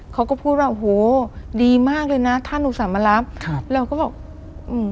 เขาก็พูดว่าโหดีมากเลยนะท่านหนูสามารถครับแล้วก็บอกอืม